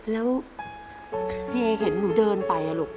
แล้วพี่เอเห็นหนูเดินไปลูก